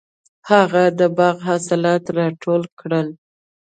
هغه د باغ حاصلات ټول کړل.